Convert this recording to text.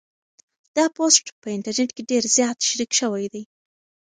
دا پوسټ په انټرنيټ کې ډېر زیات شریک شوی دی.